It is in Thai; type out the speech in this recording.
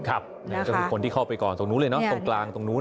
มีคนที่เข้าไปก่อนตรงนู้นเลยตรงกลางตรงนู้น